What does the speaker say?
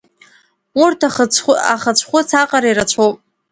Урҭ ахыцәхәыц аҟара ирацәоуп.